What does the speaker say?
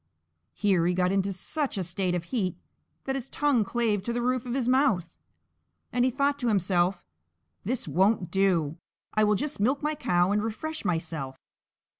Here he got into such a state of heat that his tongue clave to the roof of his mouth, and he thought to himself: "This won't do; I will just milk my cow, and refresh myself."